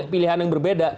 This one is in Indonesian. pilihan yang berbeda